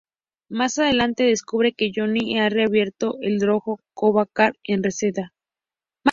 Más adelante descubre que Johnny ha reabierto el dojo Cobra Kai en Reseda.